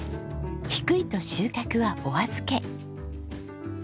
低いと収穫はお預け。